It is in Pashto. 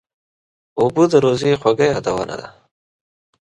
اوبه د روژې خوږ یادونه ده.